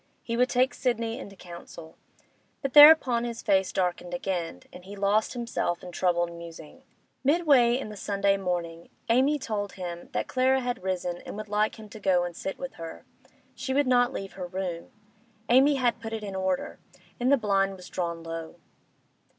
He would take Sidney into council. But thereupon his face darkened again, and he lost himself in troubled musing. Midway in the Sunday morning Amy told him that Clara had risen and would like him to go and sit with her. She would not leave her room; Amy had put it in order, and the blind was drawn low.